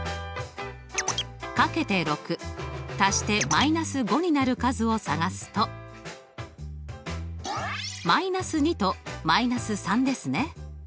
掛けて６足して−５になる数を探すと−２と−３ですね。